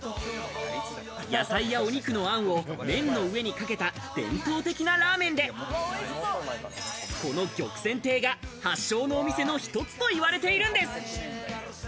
野菜やお肉のあんを麺の上にかけた伝統的なラーメンで、この玉泉亭が発祥のお店の１つといわれているんです。